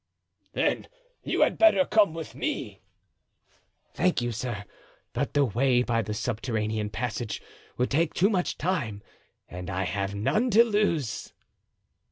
"Then you had better come with me." "Thank you, sir, but the way by the subterranean passage would take too much time and I have none to lose."